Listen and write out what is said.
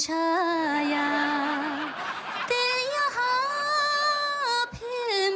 การทำงานที่นู่น